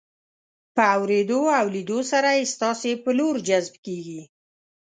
په اورېدو او لیدو سره یې ستاسو په لور جذب کیږي.